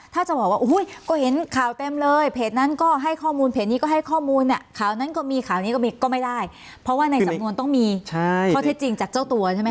ถ้าจะบอกว่าอุ้ยก็เห็นข่าวเต็มเลยเพจนั้นก็ให้ข้อมูลเพจนี้ก็ให้ข้อมูลเนี่ยข่าวนั้นก็มีข่าวนี้ก็มีก็ไม่ได้เพราะว่าในสำนวนต้องมีข้อเท็จจริงจากเจ้าตัวใช่ไหมค